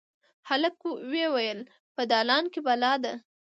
هلک ویې ویل: «په دالان کې بلا ده.»